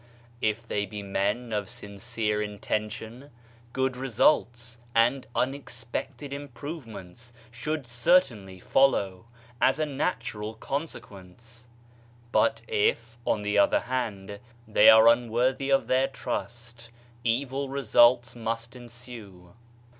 If they be men of sincere intention, good results and unex pected improvements should certainly follow, as a natural consequence; but if, on the other hand, they are unworthy of their trust, evil results must ensue.